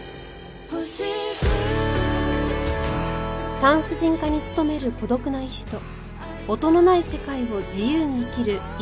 産婦人科に勤める孤独な医師と音のない世界を自由に生きる遺品整理士